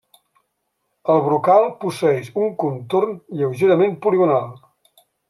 El brocal posseeix un contorn lleugerament poligonal.